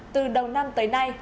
từ đầu năm tới nay